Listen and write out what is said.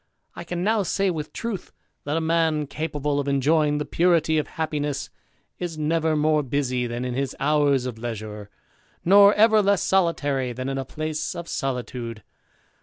I can now say, with truth, that a man, capable of enjoying the purity of happiness, is never more busy than in his hours of leisure, nor ever less solitary than in a place of solitude.